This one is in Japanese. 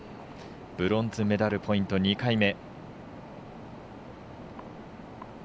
ブロンズメダルポイント２回目。